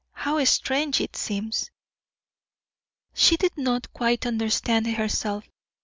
"How strange it seems!" She did not quite understand herself.